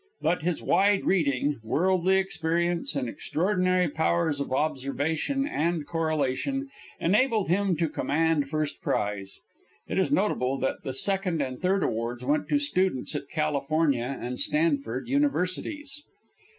But his wide reading, worldly experience, and extraordinary powers of observation and correlation, enabled him to command first prize. It is notable that the second and third awards went to students at California and Stanford universities.